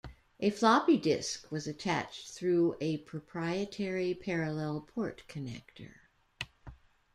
A floppy disk was attached through a proprietary parallel port connector.